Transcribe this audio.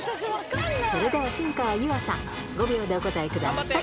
それでは新川優愛さん、５秒でお答えください。